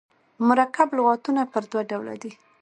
مرکب لغاتونه پر دوه ډوله دي.